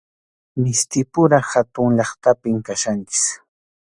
Mistipura hatun llaqtapim kachkanchik.